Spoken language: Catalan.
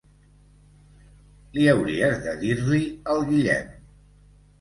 Li hauries de dir-li al Guillem.